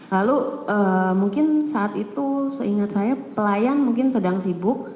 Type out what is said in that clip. lalu mungkin saat itu seingat saya pelayan mungkin sedang sibuk